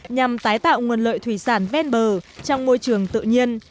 nhằm tái tạo nguồn lợi thủy sản ven bờ trong môi trường tự nhiên